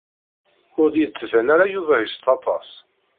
Ur d-yettban ara Yuba itett aṭas.